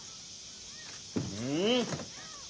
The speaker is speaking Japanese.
うん？